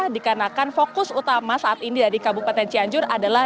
dikarenakan fokus utama saat ini dari kabupaten cianjur adalah